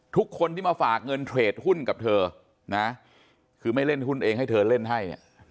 ทุกคนที่มาฝากเงินเทรดหุ้นกับเธอนะคือไม่เล่นหุ้นเองให้เธอเล่นให้เนี่ย